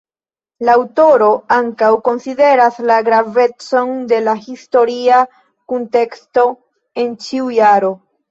La aŭtoro ankaŭ konsideras la gravecon de la historia kunteksto en ĉiu jaro.